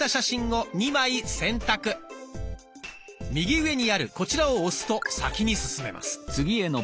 右上にあるこちらを押すと先に進めます。